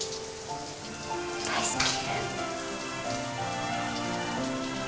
大好き。